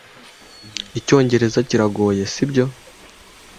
Icyongereza kiragoye, sibyo?